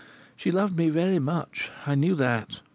She loved me very much; I knew that.